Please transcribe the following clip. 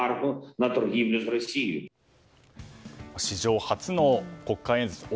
史上初の国会演説